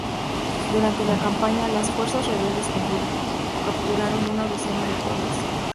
Durante la campaña, las fuerzas rebeldes capturaron una docena de pueblos.